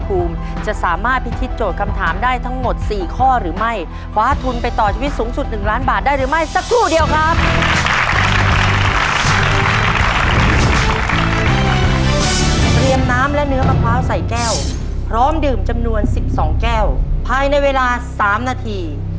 แดมสำัรติแดมสำัรติแดมสำัรติ